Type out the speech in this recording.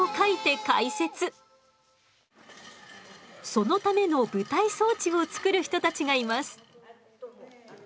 そのための舞台装置を作る人たちがいます。